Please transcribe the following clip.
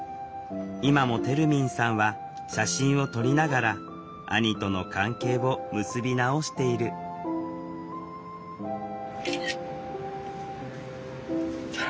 今もてるみんさんは写真を撮りながら兄との関係を結び直している空。